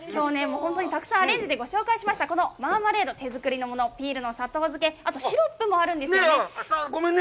本当にたくさんアレンジでご紹介しました、このマーマレード、手作りのもの、ピールの砂糖漬け、あとシロップもあるんですね。